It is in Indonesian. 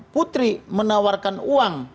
putri menawarkan uang